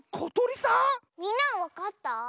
みんなはわかった？